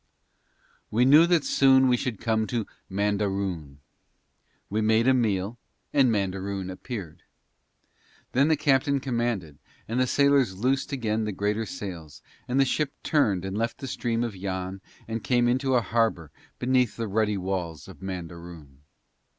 We knew that soon we should come to Mandaroon. We made a meal, and Mandaroon appeared. Then the captain commanded, and the sailors loosed again the greater sails, and the ship turned and left the stream of Yann and came into a harbour beneath the ruddy walls of Mandaroon.